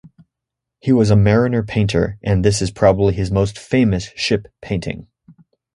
He was a mariner painter, and this is probably his most famous ship painting.